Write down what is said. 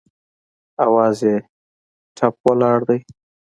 اواز یې ټپ ولاړ دی